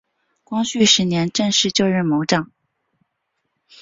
光绪十年正式就任盟长。